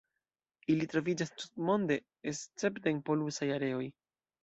Ili troviĝas tutmonde escepte en polusaj areoj.